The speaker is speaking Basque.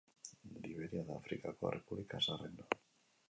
Liberia da Afrikako errepublika zaharrena.